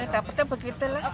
dapatnya begitu lah